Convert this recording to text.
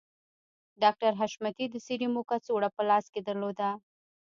ډاکټر حشمتي د سيرومو کڅوړه په لاس کې درلوده